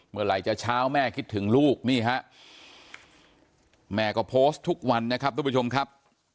เมื่อไหร่จะเช้าแม่คิดถึงลูกนี่ฮะแม่ก็โพสต์ทุกวันนะครับทุกผู้ชมครับ